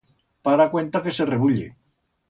Para cuenta que se rebulle.